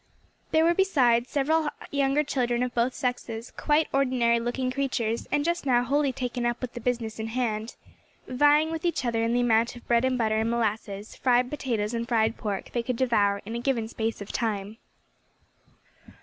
There were besides several younger children of both sexes, quite ordinary looking creatures and just now wholly taken up with the business in hand; vieing with each other in the amount of bread and butter and molasses, fried potatoes and fried pork they could devour in a given space of time.